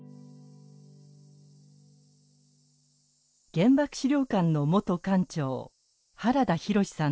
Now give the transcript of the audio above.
原爆資料館の元館長原田浩さんです。